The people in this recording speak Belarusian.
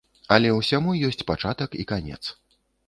Але ўсяму ёсць пачатак і канец.